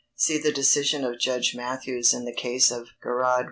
_ See the decision of Judge Mathews in the case of Girod v.